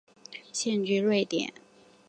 现居瑞典。